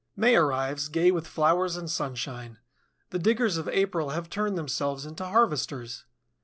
May arrives, gay with flowers and sunshine. The diggers of April have turned themselves into harvesters.